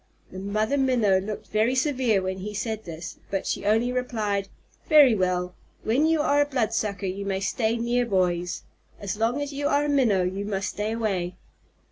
The Mother Minnow looked very severe when he said this, but she only replied, "Very well. When you are a Bloodsucker you may stay near boys. As long as you are a Minnow, you must stay away."